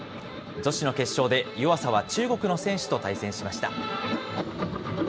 女子の決勝で、湯浅は中国の選手と対戦しました。